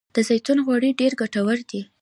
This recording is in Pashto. د زیتون غوړي ډیر ګټور دي.